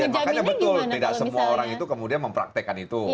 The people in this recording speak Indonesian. makanya betul tidak semua orang itu kemudian mempraktekkan itu